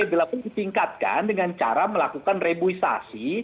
bila pun ditingkatkan dengan cara melakukan rebuisasi